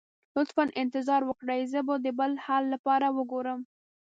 لطفا انتظار وکړئ، زه به د بل حل لپاره وګورم.